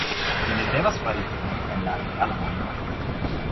Vi ne devas fari tion en la reala mondo